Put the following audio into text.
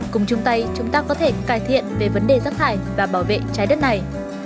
cùng chung tay chúng ta có thể cải thiện về vấn đề rác thải và bảo vệ trái đất này